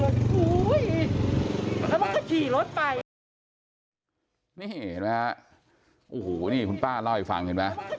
โอ้โหแล้วมันก็ขี่รถไปนี่เห็นไหมฮะโอ้โหนี่คุณป้าเล่าให้ฟังเห็นไหม